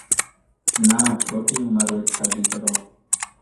نہ چھوٹی عمر وچ شادی کرو